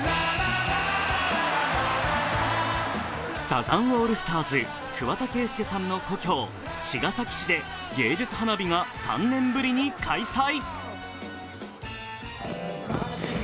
サザンオールスターズ・桑田佳祐さんの故郷、茅ヶ崎市で芸術花火が３年ぶりに開催。